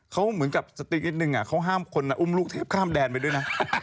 เขาเหมือนกับสติ๊กนิดนึงเขาห้ามคนอุ้มลูกเทพข้ามแดนไปด้วยนะ